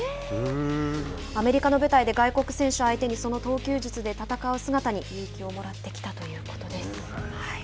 アメリカの舞台で外国選手相手にその投球術で戦う姿に勇気をもらってきたということです。